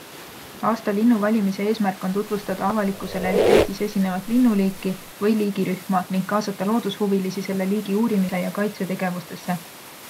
Aasta linnu valimise eesmärk on tutvustada avalikkusele üht Eestis esinevat linnuliiki või liigirühma ning kaasata loodushuvilisi selle liigi uurimise ja kaitse tegevustesse.